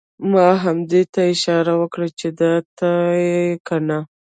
ما همده ته اشاره وکړه چې دا ته یې کنه؟!